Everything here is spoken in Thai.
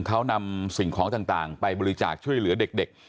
เขานำสิ่งของต่างไปบริจาคช่วยเหลือเด็ก